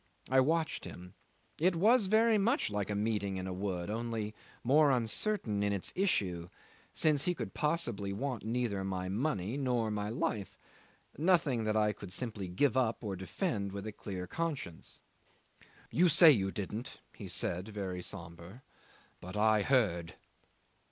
I watched him. It was very much like a meeting in a wood, only more uncertain in its issue, since he could possibly want neither my money nor my life nothing that I could simply give up or defend with a clear conscience. "You say you didn't," he said, very sombre. "But I heard."